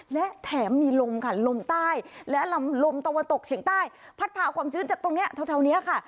และแถมมีลมค่ะลมใต้และลมตะวันตกเฉียงใต้พัดพาความชื้นจากตรงนี้แถวนี้ค่ะ